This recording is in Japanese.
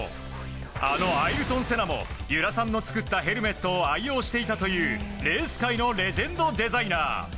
あのアイルトン・セナも由良さんの作ったヘルメットを愛用していたというレース界のレジェンドデザイナー。